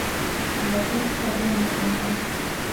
ލަދެއް ތަދެއް ނޯންނާނެ